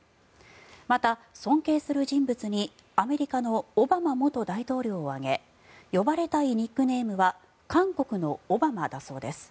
また、尊敬する人物にアメリカのオバマ元大統領を挙げ呼ばれたいニックネームは韓国のオバマだそうです。